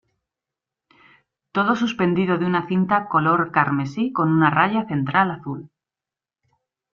Todo suspendido de una cinta color carmesí con una raya central azul.